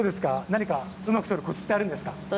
何かうまく取るこつってあるんですか。